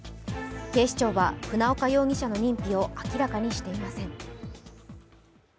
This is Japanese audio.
警視庁は船岡容疑者の認否を明らかにしていません。